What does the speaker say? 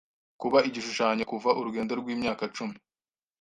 Kuba Igishushanyo kuva Urugendo rw'imyaka cumi